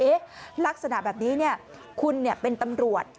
ลักษณะแบบนี้คุณเป็นตำรวจ